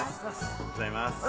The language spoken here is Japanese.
おはようございます。